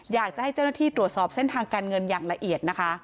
อยากจะให้เจ้าหน้าที่ตรวจสอบเส้นทางการเงินอย่างละเอียดนะคะ